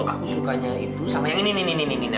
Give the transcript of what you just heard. aku sukanya itu sama yang ini ini ini ini